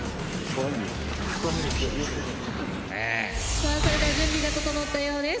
さあそれでは準備が整ったようです。